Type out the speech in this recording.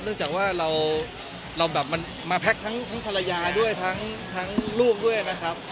เนื่องจากว่าเราแบบมันมาแพ็คทั้งภรรยาด้วยทั้งลูกด้วยนะครับ